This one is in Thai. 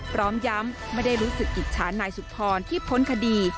พร้อมย้ำไม่ได้รู้สึกอิจฉานายสุพรที่พ้นคดี